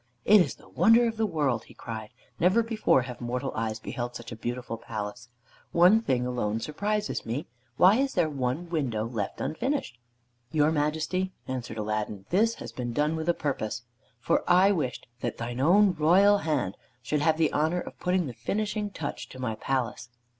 "It is the wonder of the world," he cried. "Never before have mortal eyes beheld such a beautiful palace. One thing alone surprises me. Why is there one window left unfinished?" "Your Majesty," answered Aladdin, "this has been done with a purpose, for I wished that thine own royal hand should have the honor of putting the finishing touch to my palace."